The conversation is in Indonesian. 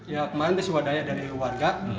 ya kemarin disuadanya dari warga